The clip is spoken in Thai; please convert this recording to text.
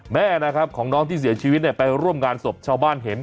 แม่นะครับของน้องที่เสียชีวิตเนี่ยไปร่วมงานศพชาวบ้านเห็น